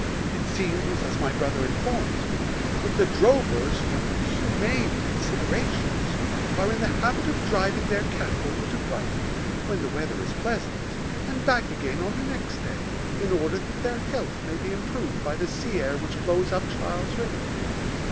It seems, as my brother informs me, that the drovers, from humane considerations, are in the habit of driving their cattle over to Brighton, (when the weather is pleasant,) and back again on the next day, in order that their health may be improved by the sea air which blows up Charles River.